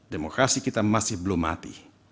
demokrasi kita masih belum mati